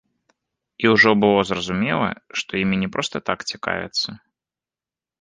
І ўжо было зразумела, што імі не проста так цікавяцца.